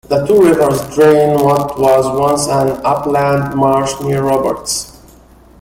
The two rivers drain what was once an upland marsh near Roberts.